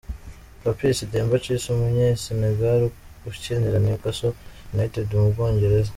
Papiss Demba Cisse , umunyasenegali ukinira Newcastle United mu Bwongerza .